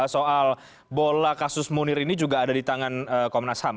soal bola kasus munir ini juga ada di tangan komnas ham